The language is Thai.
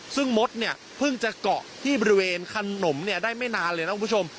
ซึ่งมดเนี่ยเพิ่งจะเกาะที่บริเวณขนมได้ไม่นานเลยนะคุณผู้ชม